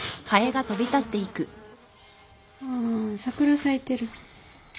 ああ桜咲いてる。